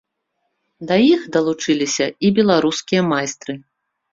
Да іх далучыліся і беларускія майстры.